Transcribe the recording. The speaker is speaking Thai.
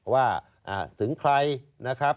ว่าถึงใครนะครับ